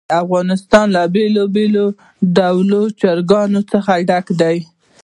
افغانستان له بېلابېلو ډولو چرګانو څخه ډک دی.